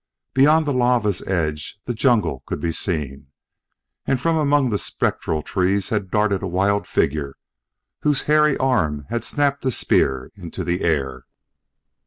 Beyond the lava's edge the jungle could be seen, and from among the spectral trees had darted a wild figure whose hairy arm had snapped the spear into the air.